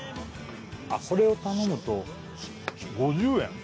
これを頼むと５０円？